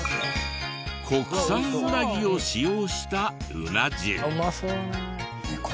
国産うなぎを使用したうな重。